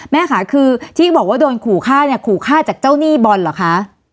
แม่ค่ะคือที่บอกว่าโดนขู่ฆ่าเนี่ยขู่ฆ่าจากเจ้าหนี้บอลเหรอคะ